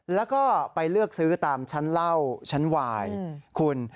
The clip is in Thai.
แล้วก็ไปเลือกซื้อตามชั้นเหล้าชั้นวายคุณ